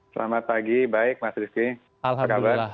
selamat pagi baik mas rizky